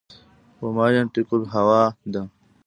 و ما ینطق الهوا ده